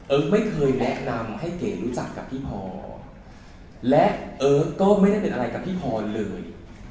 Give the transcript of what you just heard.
ไม่เคยแนะนำให้เก๋รู้จักกับพี่พรและเอิ๊กก็ไม่ได้เป็นอะไรกับพี่พรเลย